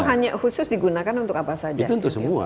hanya khusus digunakan untuk apa saja